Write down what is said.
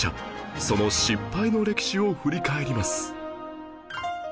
その失敗の歴史を振り返ります